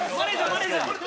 マネジャー！」。